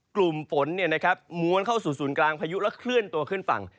กลุ่มฝนม้วนเข้าสู่ศูนย์กลางพายุแล้วเคลื่อนตัวขึ้นฝั่ง